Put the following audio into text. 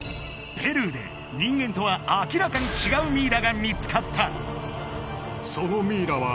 ペルーで人間とは明らかに違うミイラが見つかった！